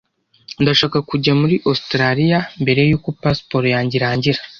Ndashaka kujya muri Ositaraliya mbere yuko pasiporo yanjye irangira.